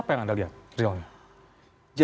apa yang anda lihat realnya